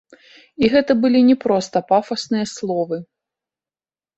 І гэта былі не проста пафасныя словы.